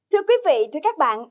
thưa quý vị thưa các bạn